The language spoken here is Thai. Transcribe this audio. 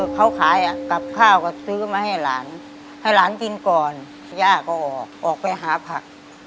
เขาขายกับข้าวก็ซื้อมาให้หลานให้หลานกินก่อนย่าก็ออกออกไปหาผัก